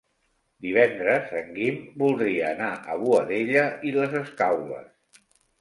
Divendres en Guim voldria anar a Boadella i les Escaules.